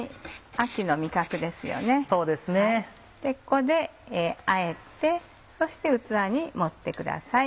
ここであえてそして器に盛ってください。